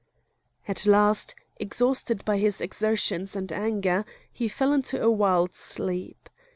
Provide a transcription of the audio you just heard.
At last, exhausted by his exertions and anger, he fell into a wild sleep.